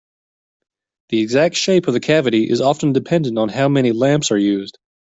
The exact shape of the cavity is often dependent on how many lamps are used.